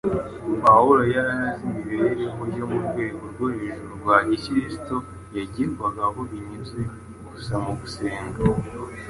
Pawulo yari azi ko imibereho yo mu rwego rwo hejuru rwa Gikristo yagerwaho binyuze gusa mu gusenga